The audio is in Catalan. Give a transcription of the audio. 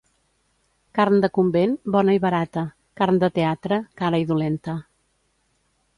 Carn de convent, bona i barata; carn de teatre, cara i dolenta.